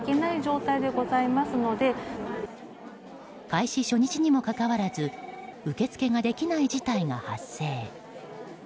開始初日にもかかわらず受け付けができない事態が発生。